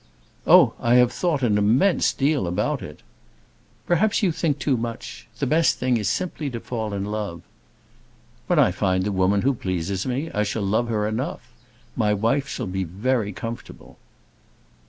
"Oh, I have thought an immense deal about it." "Perhaps you think too much. The best thing is simply to fall in love." "When I find the woman who pleases me, I shall love her enough. My wife shall be very comfortable."